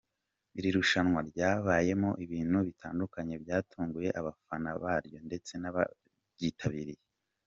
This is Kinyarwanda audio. Iri rushanwa ryabayemo ibintu bitandukanye byatunguye abafana baryo ndetse n’abaryitabiriye.